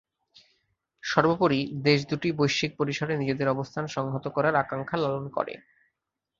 সর্বোপরি, দেশ দুটি বৈশ্বিক পরিসরে নিজেদের অবস্থান সংহত করার আকাঙ্ক্ষা লালন করে।